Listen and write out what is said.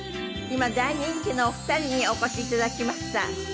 今大人気のお二人にお越し頂きました。